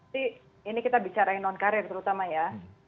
tapi ini kita bicara non karir terutama ya